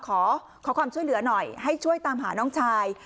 ขอความช่วยเหลือหน่อยให้ช่วยตามหาน้องชาย